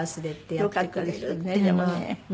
よかったですよねでもね。